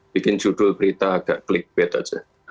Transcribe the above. bikin judul berita agak klik bete aja